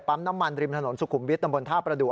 น้ำมันริมถนนสุขุมวิทย์ตำบลท่าประดูก